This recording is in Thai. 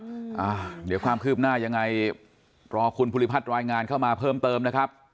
อ่าเดี๋ยวความคืบหน้ายังไงรอคุณภูริพัฒน์รายงานเข้ามาเพิ่มเติมนะครับ